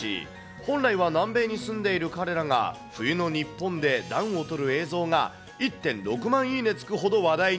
本来は南米に住んでいる彼らが、冬の日本で暖をとる映像が１．６万いいねつくほど話題に。